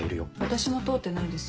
私も通ってないです。